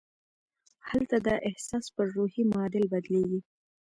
هلته دا احساسات پر روحي معادل بدلېږي